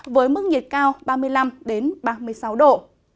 với mức nhiệt cao ba mươi năm ba mươi sáu độ